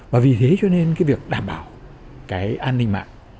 và vì thế cho nên cái việc đảm bảo cái an ninh mạng